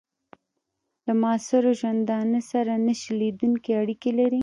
له معاصر ژوندانه سره نه شلېدونکي اړیکي لري.